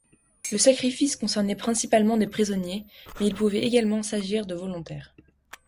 Le sacrifice concernait principalement les prisonniers, mais il pouvait également s'agir de volontaires.